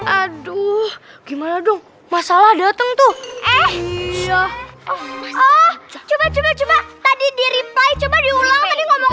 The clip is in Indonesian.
aduh gimana dong masalah dateng tuh eh iya oh coba coba tadi di reply coba diulang tadi ngomong